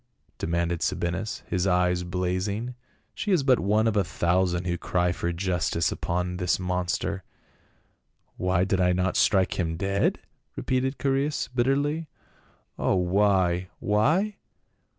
demanded Sabinus, his eyes blazing. " She is but one out of a thousand who cry for justice upon this monster." "Why did I not strike him dead?" repeated Chae reas bitterly. "O why — why?